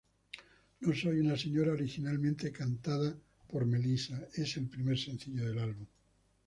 No soy una señora, originalmente cantada por Melissa, es el primer sencillo del álbum.